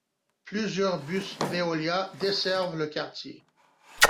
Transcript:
Plusieurs bus Veolia desserve le quartier.